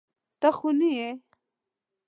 ته خوني يې.